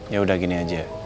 ya udah gini aja